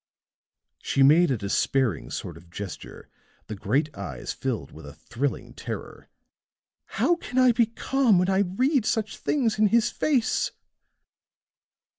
She made a despairing sort of gesture, the great eyes filled with a thrilling terror. "How can I be calm when I read such things in his face?"